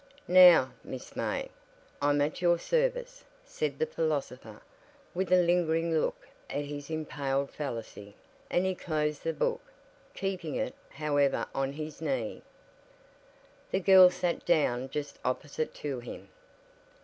"Now, Miss May, I'm at your service," said the philosopher, with a lingering look at his impaled fallacy; and he closed the book, keeping it, however, on his knee. The girl sat down just opposite to him.